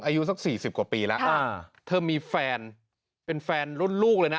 อายุสักสี่สิบกว่าปีแล้วเธอมีแฟนเป็นแฟนรุ่นลูกเลยนะ